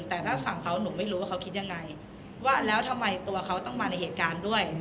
แต่ถ้าฝั่งเขาหนูไม่รู้ว่าเขาคิดยังไงว่าแล้วทำไมตัวเขาต้องมาในเหตุการณ์ด้วย